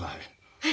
はい。